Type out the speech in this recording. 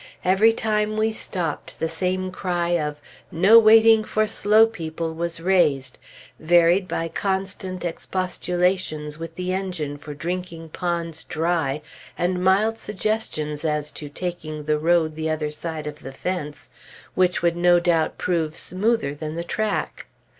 For every time we stopped, the same cry of "No waiting for slow people" was raised, varied by constant expostulations with the engine for drinking ponds dry, and mild suggestions as to taking the road the other side of the fence, which would no doubt prove smoother than the track.